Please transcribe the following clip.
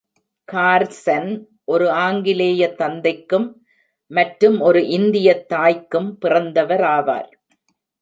Carson ஒரு ஆங்கிலேய தந்தைக்கும் மற்றும் ஒரு இந்தியத் தாய்க்கும் பிறந்தவராவார்.